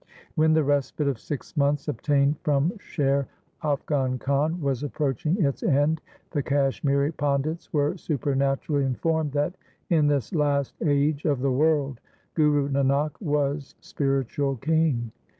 When the respite of six months obtained from LIFE OF GURU TEG BAHADUR 371 Sher Afghan Khan was approaching its end, the Kashmiri Pandits were supernaturally informed that in this last age of the world Guru Nanak was spiritual king.